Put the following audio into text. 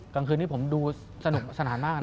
กลางคืนนี้ผมดูสนุกสนานมาก